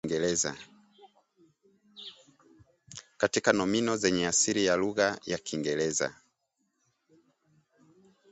katika nomino zenye asili ya lugha ya Kiingereza